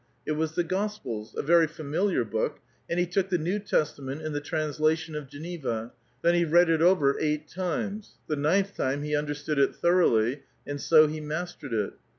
It was the Gospels, — a very familiar book ; and he took the New Testament, in the translation of Geneva ; then he read it over eight times ; the ninth time he understood it thoroughly ; and so he mastered it.